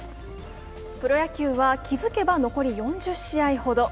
プロ野球は気づけば残り４０試合ほど。